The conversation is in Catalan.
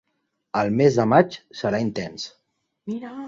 El mes de maig serà intens.